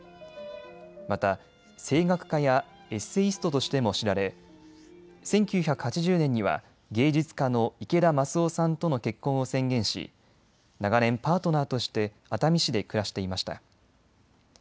また声楽家やエッセイストとしても知られ１９８０年には芸術家の池田満寿夫さんとの結婚を宣言し長年、パートナーとして熱海市で暮らしていました。